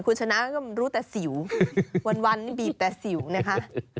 คุณชนะก็รู้แต่สิววันนี้บีบแต่สิวนะคะ